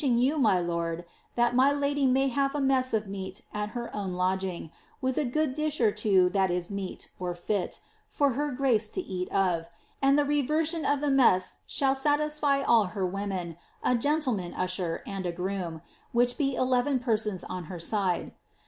g you, niy lord, that my lady may have a mess of meat at her own lodging, witli a ^ood dish or two that is meet (fit) for her grace to eat of; and the rever sir.r of the mess sliall satisfy all her women, a gentleman usher, and a groom, •vhi.^n be eleven persons on her side.